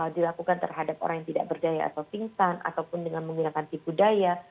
dilakukan terhadap orang yang tidak berdaya atau pingsan ataupun dengan menggunakan tipu daya